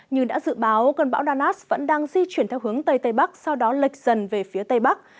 như đã dự báo cơn bão danas vẫn đang di chuyển theo hướng tây tây bắc sau đó lệch dần về phía tây bắc